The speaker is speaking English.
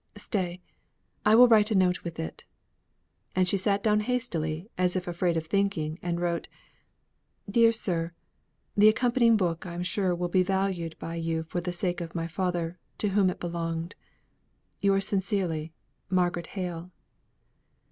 Stay; I will write a note with it." And she sate down hastily, as if afraid of thinking, and wrote: "DEAR SIR, The accompanying book I am sure will be valued by you for the sake of my father, to whom it belonged. "Yours sincerely, MARGARET HALE."